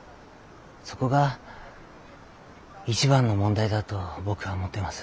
そこが一番の問題だと僕は思ってます。